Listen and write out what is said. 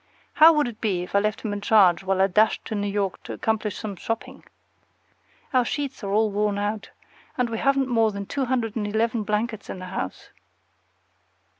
How would it be if I left him in charge while I dashed to New York to accomplish some shopping? Our sheets are all worn out, and we haven't more than two hundred and eleven blankets in the house.